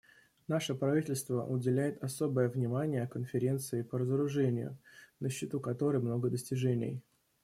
Наше правительство уделяет особое внимание Конференции по разоружению, на счету которой много достижений.